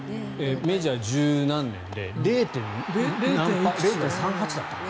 メジャー１０何年で０．３８だったかな。